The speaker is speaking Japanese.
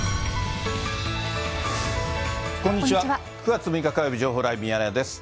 ９月６日火曜日、情報ライブミヤネ屋です。